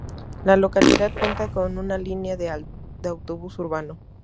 La localidad cuenta con una línea de autobús urbano.